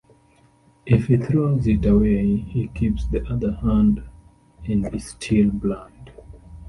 If he throws it away, he keeps the other hand and is still blind.